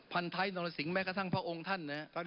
พันท้ายนรสิงแม้กระทั่งพระองค์ท่านนะครับ